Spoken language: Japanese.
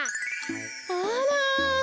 あら！